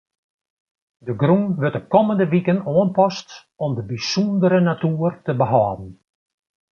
De grûn wurdt de kommende wiken oanpast om de bysûndere natuer te behâlden.